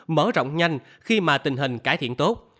mở rộng nhanh khi mà tình hình cải thiện tốt